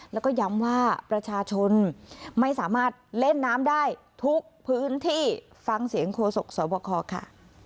แล้วก็ย้ำว่าประชาชนไม่สามารถเล่นน้ำได้ทุกพื้นที่ฟังเสียงโฆษกสวบคค่ะ